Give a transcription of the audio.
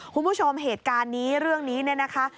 คุณผู้ชมเหตุการณ์นี้เรื่องนี้เนี่ยนะคะ